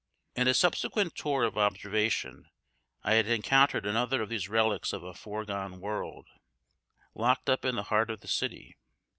In a subsequent tour of observation I encountered another of these relics of a "foregone world" locked up in the heart of the city.